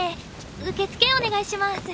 受け付けお願いします。